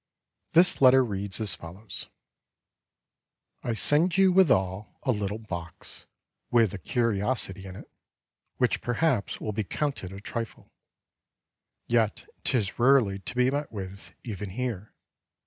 This letter reads as follows: "I send you withal, a little Box, with a Curiosity in it, which perhaps will be counted a trifle, yet 'tis rarely to be met with, even here.